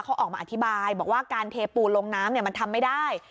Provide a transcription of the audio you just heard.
เขาออกมาอธิบายบอกว่าการเทปูลงน้ำมันทำไม่ได้